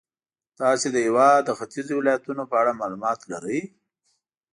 تاسې د هېواد د ختیځو ولایتونو په اړه معلومات لرئ.